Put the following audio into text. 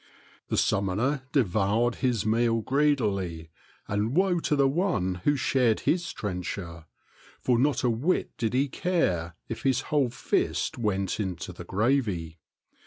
The summoner de voured his meal greedily, and woe to the one who shared his trencher, for not a whit did he care if his whole fist went into the gravy.